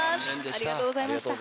ありがとうございます。